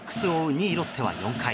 ２位ロッテは４回。